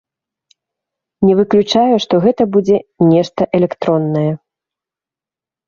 Не выключаю, што гэта будзе нешта электроннае.